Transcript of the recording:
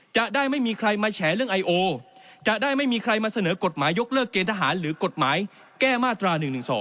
จะได้ไม่มีใครมาแฉเรื่องไอโอจะได้ไม่มีใครมาเสนอกฎหมายยกเลิกเกณฑหารหรือกฎหมายแก้มาตรา๑๑๒